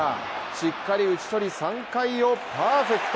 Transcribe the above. しっかり打ち取り、３回をパーフェクト。